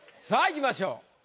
さぁいきましょう。